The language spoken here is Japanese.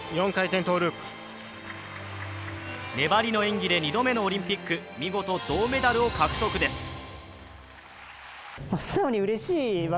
粘りの演技で２度目のオリンピック、見事銅メダル獲得です。